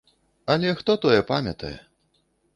Але хто тое памятае!